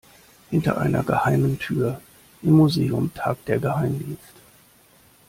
Hinter einer geheimen Tür im Museum tagt der Geheimdienst.